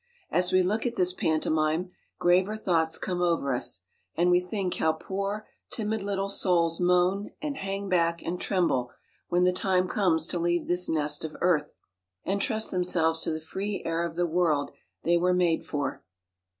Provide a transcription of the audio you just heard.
As we look at this pantomime, graver thoughts come over us, and we think how poor, timid little souls moan, and hang back, and tremble, when the time comes to leave this nest of earth, and trust themselves to the free air of the world they were made for.